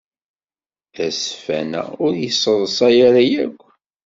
Azeffan-a ur yesseḍsay ara akk.